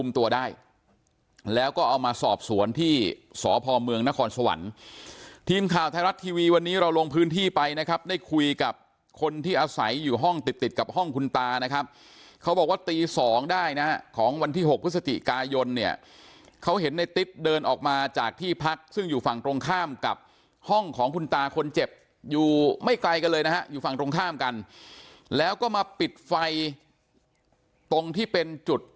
เอามาสอบสวนที่สพเมืองนครสวรรค์ทีมข่าวไทยรัฐทีวีวันนี้เราลงพื้นที่ไปนะครับได้คุยกับคนที่อาศัยอยู่ห้องติดติดกับห้องคุณตานะครับเขาบอกว่าตีสองได้นะฮะของวันที่๖พฤศจิกายนเนี่ยเขาเห็นในติ๊ดเดินออกมาจากที่พักซึ่งอยู่ฝั่งตรงข้ามกับห้องของคุณตาคนเจ็บอยู่ไม่ไกลกันเลยนะฮะอยู่ฝั่งตรงข้ามกันแล้วก็มาปิดไฟตรงที่เป็นจุด